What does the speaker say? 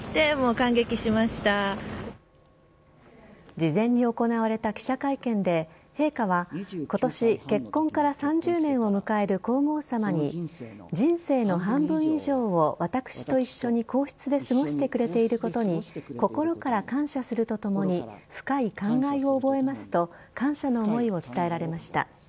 事前に行われた記者会見で陛下は今年、結婚から３０年を迎える皇后さまに人生の半分以上を私と一緒に皇室で過ごしてくれていることに心から感謝するとともに深い感慨を覚えますと感謝の思いを伝えられました。